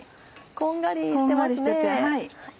こんがりしてますね。